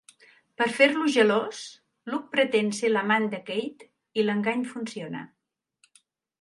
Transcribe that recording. Per fer-lo gelós, Luc pretén ser l'amant de Kate i l'engany funciona.